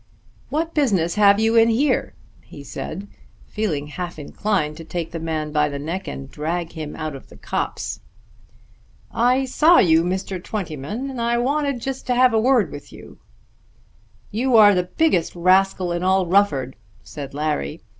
"What business have you in here?" he said, feeling half inclined to take the man by the neck and drag him out of the copse. "I saw you, Mr. Twentyman, and I wanted just to have a word with you." "You are the biggest rascal in all Rufford," said Larry.